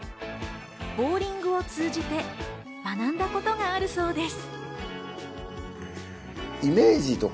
ボウリングを通じて、学んだことがあるそうです。